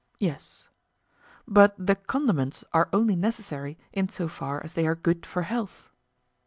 Yes. But the condiments are only necessary in so far as they are good for health?